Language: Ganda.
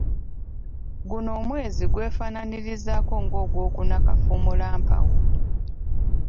Guno omwezi gw'efaanaanyirizaako n'ogwokuna Kafuumuulampawu.